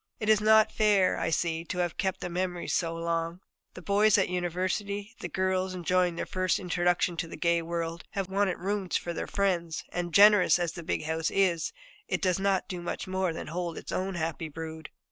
It was not fair, I see, to have kept the nurseries so long. The boys at the University, the girls, enjoying their first introduction to the gay world, have wanted rooms for their friends, and generous as the big house is, it does not do much more than hold its own happy brood.